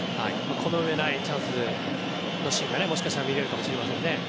このうえないチャンスのシーンがもしかしたら見れるかもしれませんね。